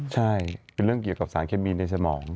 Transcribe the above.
ใช่เป็นเรื่องเกี่ยวกับสารเคมีในสมอง